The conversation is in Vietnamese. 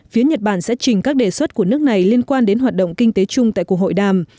phía nhật bản sẽ trình các đề xuất của nước này liên quan đến hoạt động kinh tế chung tại cuộc hội đàm